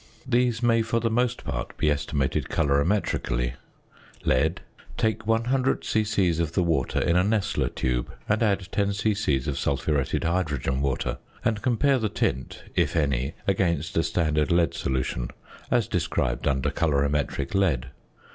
~ These may for the most part be estimated colorimetrically. ~Lead.~ Take 100 c.c. of the water in a Nessler tube, and add 10 c.c. of sulphuretted hydrogen water, and compare the tint, if any, against a standard lead solution, as described under Colorimetric Lead.